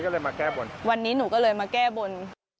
หวันนี้ก็เลยมาแก้บน